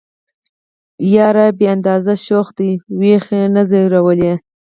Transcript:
يره بې اندازه شوخ دي وخو يې نه ځورولئ.